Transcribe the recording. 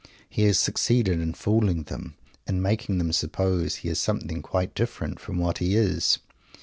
He has succeeded in fooling them; in making them suppose he is something quite different from what he is.